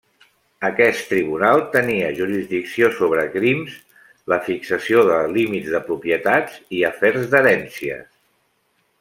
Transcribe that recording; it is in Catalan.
Aquest tribunal tenia jurisdicció sobre crims, la fixació de límits de propietats i afers d'herències.